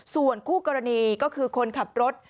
ส่วนคู่กรณีก็คือคนขับรถ